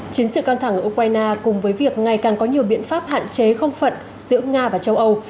chiến sự căng thẳng ở ukraine cùng với việc ngày càng có nhiều biện pháp hạn chế không phận giữa nga và châu âu